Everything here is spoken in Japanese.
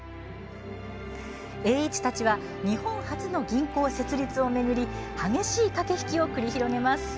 栄一たちは日本初の銀行設立を巡り激しい駆け引きを繰り広げます。